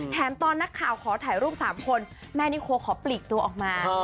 ตอนนักข่าวขอถ่ายรูป๓คนแม่นิโคขอปลีกตัวออกมา